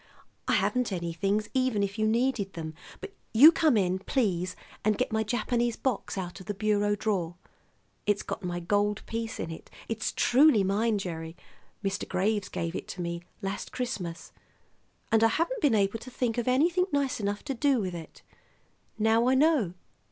I haven't any things, even if you needed them; but you come in, please, and get my Japanese box out of the bureau drawer. It's got my gold piece in it. It's truly mine, Gerry; Mr. Graves gave it to me last Christmas, and I haven't been able to think of anything nice enough to do with it. Now I know.